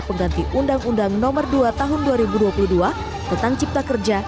pengganti undang undang nomor dua tahun dua ribu dua puluh dua tentang cipta kerja